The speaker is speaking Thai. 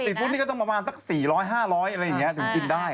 สตรีทฟู้ดนี่ก็ต้องประมาณสัก๔๐๐๕๐๐บาทถึงกินได้